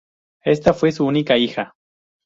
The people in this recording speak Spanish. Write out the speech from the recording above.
Ésta fue su única hija.